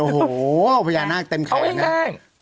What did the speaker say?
โอ้โหพญานาคเต็มแขนนะ